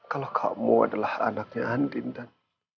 kalau kamu adalah anaknya andi dan